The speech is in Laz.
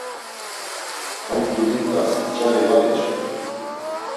Ham pilit̆as cari var iç̌ven.